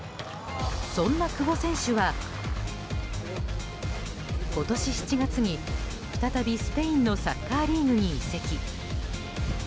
そんな久保選手は今年７月に再び、スペインのサッカーリーグに移籍。